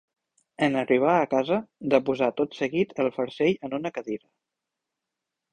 En arribar a casa, deposà tot seguit el farcell en una cadira.